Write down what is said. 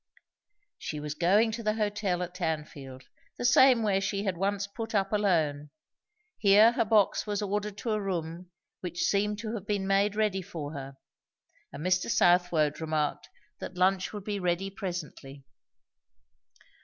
She was going to the hotel at Tanfield, the same where she had once put up alone. Here her box was ordered to a room which seemed to have been made ready for her; and Mr. Southwode remarked that lunch would be ready presently.